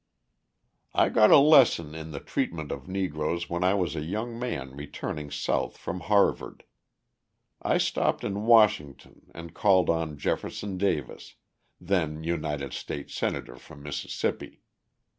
"I got a lesson in the treatment of Negroes when I was a young man returning South from Harvard. I stopped in Washington and called on Jefferson Davis, then United States Senator from Mississippi.